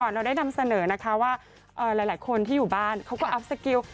เราได้นำเสนอนะคะว่าหลายคนที่อยู่บ้านเขาก็อัพสกิล